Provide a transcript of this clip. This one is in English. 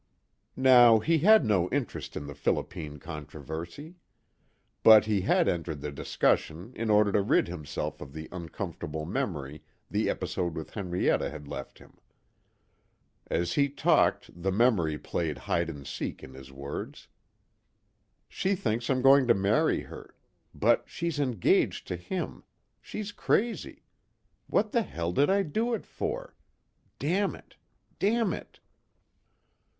Now he had no interest in the Philippine controversy. But he had entered the discussion in order to rid himself of the uncomfortable memory the episode with Henrietta had left him. As he talked the memory played hide and seek in his words.... "She thinks I'm going to marry her ... but she's engaged to him ... she's crazy ... what the Hell did I do it for?... Damn it ... damn it...."